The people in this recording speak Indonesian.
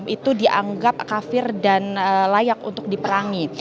itu dianggap kafir dan layak untuk diperangi